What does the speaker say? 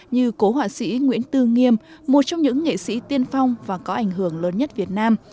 như cố họa sĩ nguyễn tư nghiêm một trong những nghệ sĩ tiên phong và có ảnh hưởng lớn nhất việt nam